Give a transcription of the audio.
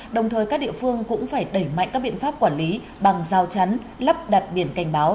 đồng thời các địa phương cũng phải đẩy mạnh các biện pháp quản lý bằng giao chắn lắp đặt biển cảnh báo